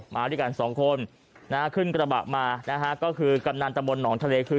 มาด้วยกันสองคนนะคลื่นกระบะมานะฮะก็คือกำรรรดิตำบลหนองทะเลคือ